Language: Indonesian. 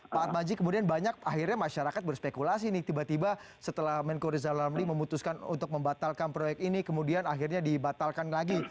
pak atmaji kemudian banyak akhirnya masyarakat berspekulasi nih tiba tiba setelah menko rizal ramli memutuskan untuk membatalkan proyek ini kemudian akhirnya dibatalkan lagi